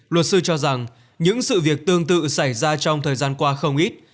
luật sư cho rằng những sự việc tương tự xảy ra trong thời gian qua không ít